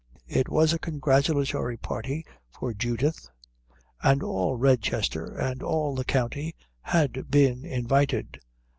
It was a congratulatory party for Judith, and all Redchester and all the county had been invited.